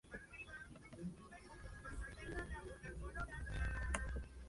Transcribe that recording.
Википедия, свободная энциклопедия.